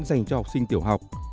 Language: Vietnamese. dành cho học sinh tiểu học